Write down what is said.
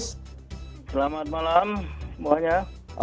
selamat malam semuanya